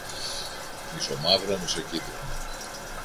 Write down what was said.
μισομαύρο-μισοκίτρινο